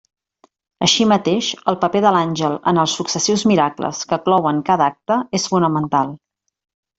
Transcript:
Així mateix, el paper de l'àngel en els successius miracles que clouen cada acte és fonamental.